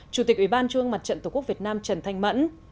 chủ tịch ủy ban trung mặt trận tổ quốc việt nam trần thanh mẫn